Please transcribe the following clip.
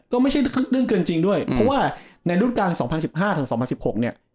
ก็ไม่ใช่เรื่องเกินจริงด้วยเพราะว่าในรุ่นการ๒๐๑๕ถึง๒๐๑๖เนี่ย